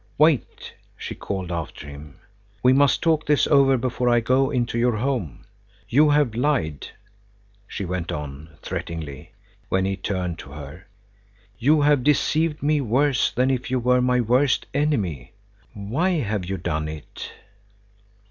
"Wait," she called after him, "we must talk this over before I go into your home. You have lied," she went on, threateningly, when he turned to her. "You have deceived me worse than if you were my worst enemy. Why have you done it?"